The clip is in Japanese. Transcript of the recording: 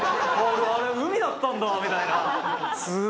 「あれ海だったんだみたいな」